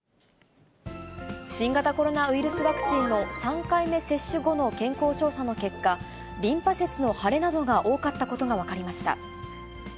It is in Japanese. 新型コロナウイルスワクチンの３回目接種後の健康調査の結果、リンパ節の腫れなどが多かったことが分かりました。